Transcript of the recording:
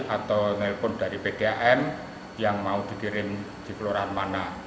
atau nelpon dari pdam yang mau dikirim di kelurahan mana